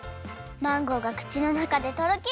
マンゴーがくちのなかでとろける！